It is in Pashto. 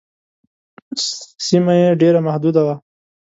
سیمه یې ډېره محدوده وه.